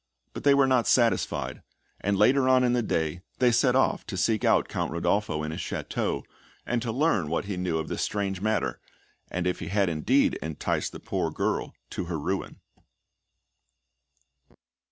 But they were not satisfied; and later on in the day they set off to seek out Count Rodolpho in his château, and to learn what he knew of this strange matter, and if he had indeed enticed the poor girl to her ruin.